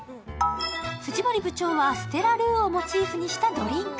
藤森部長はステラ・ルーをモチーフにしたドリンク。